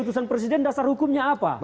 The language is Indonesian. keputusan presiden dasar hukumnya apa